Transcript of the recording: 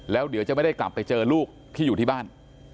แล้วเดี๋ยวจะไม่ได้กลับไปเจอลูกที่อยู่ที่บ้าน